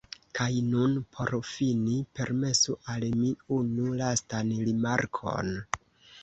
Kaj nun, por fini, permesu al mi unu lastan rimarkon.